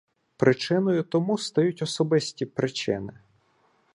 Причиною тому стають особисті причини.